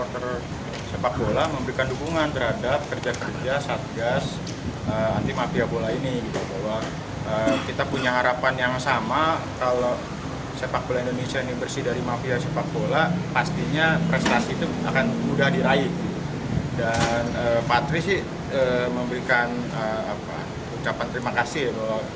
tapi sih memberikan ucapan terima kasih bahwa kerja kerja mereka didunjukkan